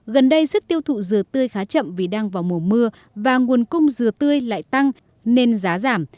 gần đây sức tiêu thụ dừa tươi khá chậm vì đang vào mùa mưa và nguồn cung dừa tươi lại tăng nên giá giảm